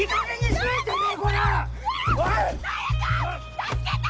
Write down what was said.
助けて！